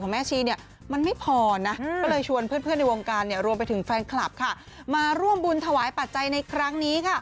มีร่วมดังคับค่ะมาร่วมบุญถวายปัจจัยในครั้งนี้